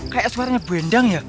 kayak suaranya bendang ya